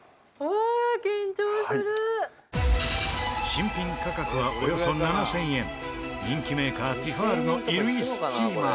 新品価格はおよそ７０００円人気メーカーティファールの衣類スチーマー。